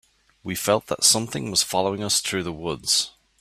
We felt that something was following us through the woods.